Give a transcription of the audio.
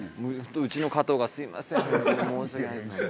うちの加藤がすいません申し訳ない。